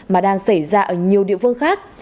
mà đang xảy ra ở nhiều địa phương khác